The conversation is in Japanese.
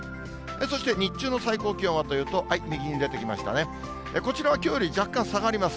そして日中の最高気温はというと、右に出てきましたね、こちらはきょうより若干下がります。